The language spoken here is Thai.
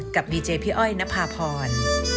กับดีเจพี่อ้อยณพาภร